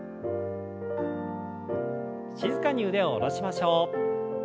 静かに腕を下ろしましょう。